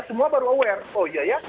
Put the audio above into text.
semua baru aware oh ya